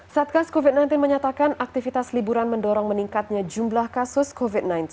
satgas covid sembilan belas menyatakan aktivitas liburan mendorong meningkatnya jumlah kasus covid sembilan belas